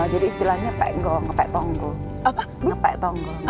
jadi istilahnya pegong pek tonggong